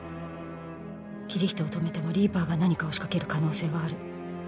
「キリヒトを止めてもリーパーが何かを仕掛ける可能性はある」